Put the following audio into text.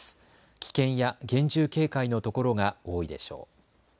危険や厳重警戒の所が多いでしょう。